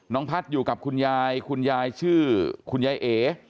พัฒน์อยู่กับคุณยายคุณยายชื่อคุณยายเอ